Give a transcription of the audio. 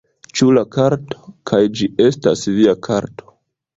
Ĉu la karto... kaj ĝi estas via karto...